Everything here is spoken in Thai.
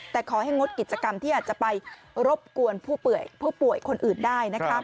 แต่ขอให้งดกิจกรรมที่อาจจะไปรบกวนผู้ป่วยคนอื่นได้